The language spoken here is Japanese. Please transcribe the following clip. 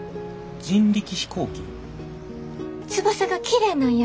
翼がきれいなんや。